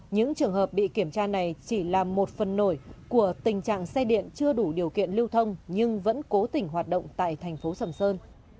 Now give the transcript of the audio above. những trường hợp bị kiểm tra này chỉ là một phần nổi của tình trạng xe điện chưa đủ điều kiện lưu thông nhưng vẫn cố tỉnh hoạt động tại thành phố sầm sơn